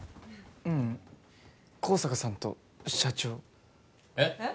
ううん香坂さんと社長えっ？えっ？